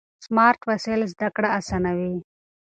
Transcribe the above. سمارټ وسایل زده کړه اسانوي.